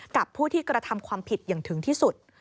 กับผู้ที่กระทำความผิดอย่างถึงที่สุด